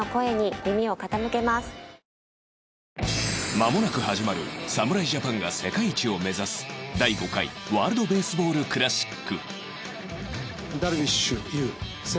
まもなく始まる侍ジャパンが世界一を目指す第５回ワールドベースボールクラシック